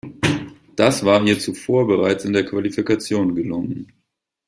Das war ihr zuvor bereits in der Qualifikation gelungen.